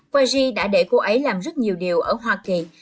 qua g đã để cô ấy làm rất nhiều điều ở hoa kỳ